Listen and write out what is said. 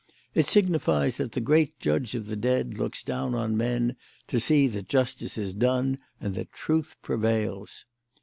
It signifies that the great judge of the dead looks down on men to see that justice is done and that truth prevails.